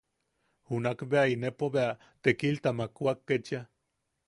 Junak bea inepo bea tekilta makwak ketchia: